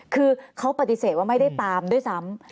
คือเขาปฏิเสธว่าไม่ได้ตามด้วยซ้ำ